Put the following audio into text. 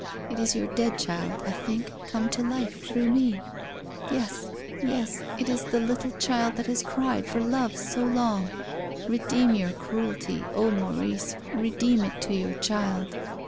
It is your dead child, I think, come to life through me. Yes, yes, it is the little child that has cried for love so long. Redeem your cruelty, oh, Maurice, redeem it to your child.